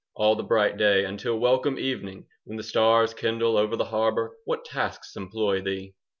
5 All the bright day, Until welcome evening When the stars kindle Over the harbour, What tasks employ thee?